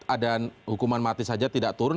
ada hukuman mati saja tidak turun